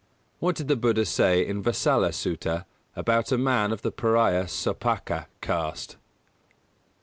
_What did the Buddha say in "Vasala Sutta" about a man of the Pariah Sopāka caste?